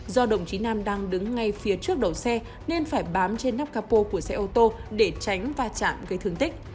do đồng chí nam đang đứng ngay phía trước đầu xe nên phải bám trên nắp capo của xe ô tô để tránh va chạm gây thương tích